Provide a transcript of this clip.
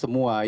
semua ya semua